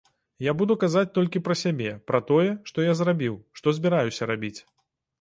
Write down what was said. Я буду казаць толькі пра сябе, пра тое, што я зрабіў, што збіраюся рабіць.